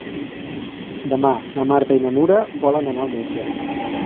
Demà na Marta i na Nura volen anar al metge.